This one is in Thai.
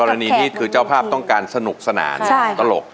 อันนี้คือเจ้าภาพต้องการสนุกสนานตลก